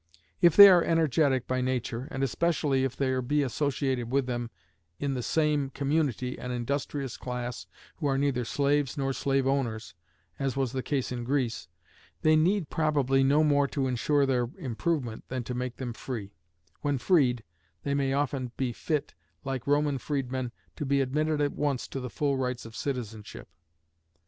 If they are energetic by nature, and especially if there be associated with them in the same community an industrious class who are neither slaves nor slave owners (as was the case in Greece), they need, probably, no more to insure their improvement than to make them free: when freed, they may often be fit, like Roman freedmen, to be admitted at once to the full rights of citizenship.